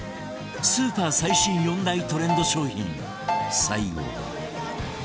スーパー最新４大トレンド商品最後は